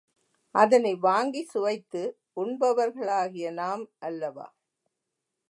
அதனை வாங்கிச் சுவைத்து உண்பவர்களாகிய நாம் அல்லவா?